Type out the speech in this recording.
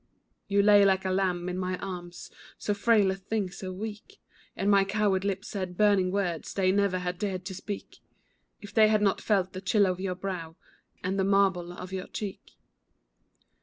You lay like a little lamb in my arms, So frail a thing, so weak, And my coward lips said burning words They never had dared to speak If they had not felt the chill of your brow, And the marble of your cheek.